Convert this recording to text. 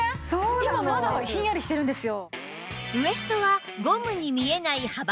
今まだひんやりしてるんですよ。